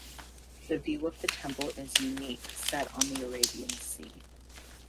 The view of the temple is unique set on the Arabian Sea.